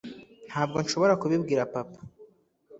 ntabwo nshobora kubibwira papa